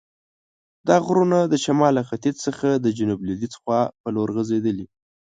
دا غرونه د شمال له ختیځ څخه د جنوب لویدیځ په لور غزیدلي.